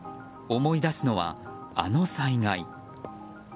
思い出すのは、あの災害。